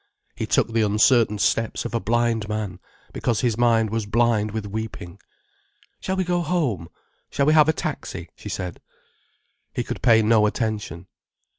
He took the uncertain steps of a blind man, because his mind was blind with weeping. "Shall we go home? Shall we have a taxi?" she said. He could pay no attention.